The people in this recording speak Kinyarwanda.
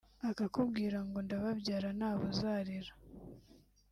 Akakubwira ngo ndababyara ntabo uzarera